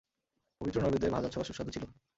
পবিত্র নৈবেদ্যের ভাজা ছোলা সুস্বাদু ছিল।